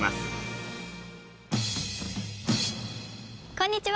こんにちは！